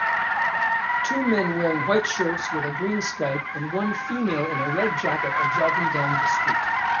Two men wearing white shirts with a green stripe and one female in a red jacket are jogging down the street